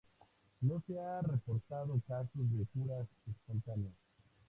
No se han reportado casos de curas espontáneas.